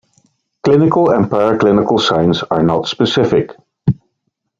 Clinical and paraclinical signs are not specific.